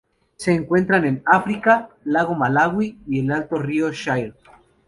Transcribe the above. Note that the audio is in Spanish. Se encuentran en África: lago Malawi y el alto río Shire.